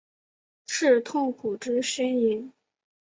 是痛苦之呻吟？